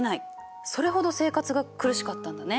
それほど生活が苦しかったんだね。